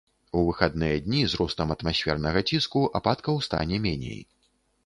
У выхадныя дні з ростам атмасфернага ціску ападкаў стане меней.